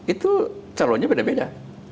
itu calonnya beda beda